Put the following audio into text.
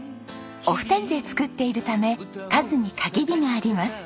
お二人で作っているため数に限りがあります。